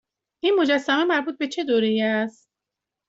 این مجسمه مربوط به چه دوره ای است؟